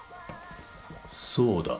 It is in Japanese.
そうだ。